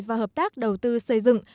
và hợp tác đầu tư xây dựng